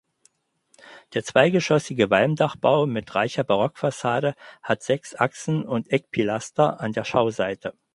Der zweigeschossige Walmdachbau mit reicher Barockfassade hat sechs Achsen und Eckpilaster an der Schauseite.